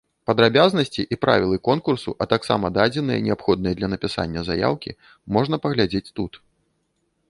Падрабязнасці і правілы конкурсу, а таксама дадзеныя неабходныя для напісання заяўкі можна паглядзець тут.